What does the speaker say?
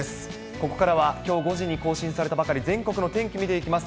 ここからはきょう５時に更新されたばかり、全国の天気見ていきます。